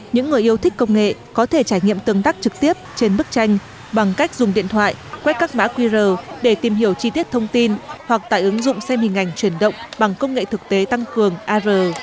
những người yêu thích công nghệ có thể trải nghiệm tương tác trực tiếp trên bức tranh bằng cách dùng điện thoại quét các mã qr để tìm hiểu chi tiết thông tin hoặc tải ứng dụng xem hình ảnh chuyển động bằng công nghệ thực tế tăng cường ar